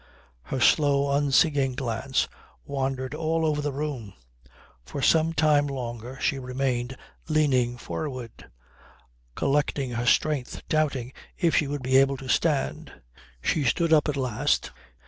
Her slow unseeing glance wandered all over the room. For some time longer she remained leaning forward, collecting her strength, doubting if she would be able to stand. She stood up at last.